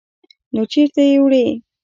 _نو چېرته يې وړې؟